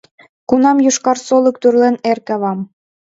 Кунам йошкар солык тӱрлен эр кавам